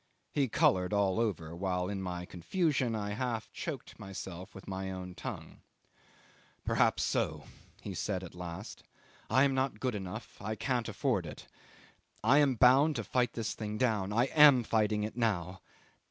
He coloured all over, while in my confusion I half choked myself with my own tongue. "Perhaps so," he said at last, "I am not good enough; I can't afford it. I am bound to fight this thing down I am fighting it now."